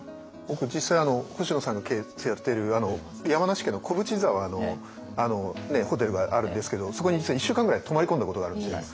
僕実際星野さんの経営やってる山梨県の小淵沢のホテルがあるんですけどそこに実は１週間ぐらい泊まり込んだことがあるんですね。